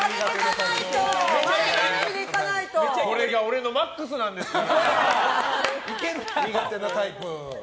これが俺のマックスなんですよ。